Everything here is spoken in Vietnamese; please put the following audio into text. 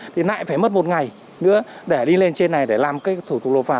thì lại phải mất một ngày nữa để đi lên trên này để làm cái thủ tục nộp phạt